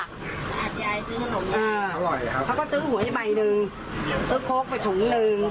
อ่าจะยายซื้อขนมอ่าก็ซื้อหวยใบนึงซื้อโค้กสุดถุงนึง